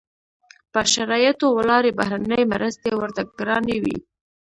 پر شرایطو ولاړې بهرنۍ مرستې ورته ګرانې وې.